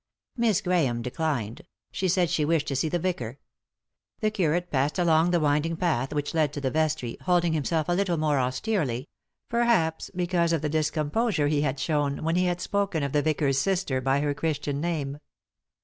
Miss Grahame declined ; she said she wished to see the vicar. The curate passed along the winding path which led to the vestry, holding himself a little more austerely, perhaps, because of the discomposure he had shown when he had spoken of the vicar's sister by her Christian name.